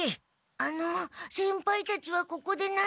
あの先輩たちはここで何を？